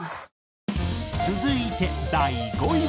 続いて第５位は。